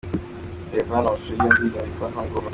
Reba hano amashusho y'iyo ndirimbo yitwa 'HungOver'.